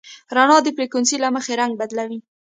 رڼا د فریکونسۍ له مخې رنګ بدلوي.